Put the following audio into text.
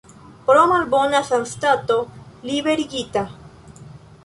Pro malbona sanstato liberigita.